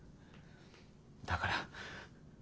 だから。